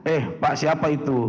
eh pak siapa itu